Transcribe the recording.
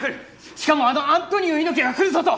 しかも、あのアントニオ猪木が来るぞと。